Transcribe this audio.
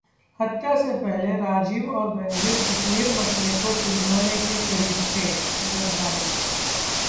हत्या से पहले राजीव और बेनजीर कश्मीर मसले को सुलझाने के करीब थे: जरदारी